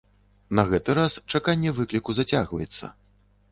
На гэты раз чаканне выкліку зацягваецца.